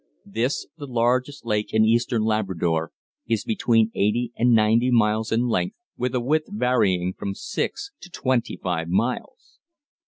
This, the largest lake in eastern Labrador, is between eighty and ninety miles in length, with a width varying from six to twenty five miles.